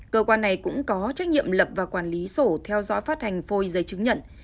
cơ quan này cũng có trách nhiệm lập và quản lý sổ theo dõi phát hành phôi giấy chứng nhận